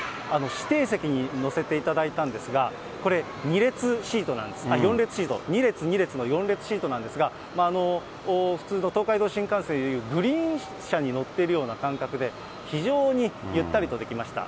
指定席に乗せていただいたんですが、これ、４列シート、２列２列の４列シートなんですが、普通の東海道新幹線でいうグリーン車に乗っているような感覚で、非常にゆったりとできました。